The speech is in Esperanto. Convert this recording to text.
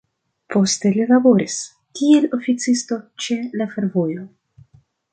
Poste li laboris kiel oficisto ĉe la fervojo.